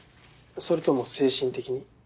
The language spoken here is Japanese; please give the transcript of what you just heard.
それとも精神的に？